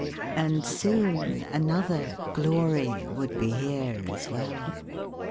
And soon another "glory" would be here as well.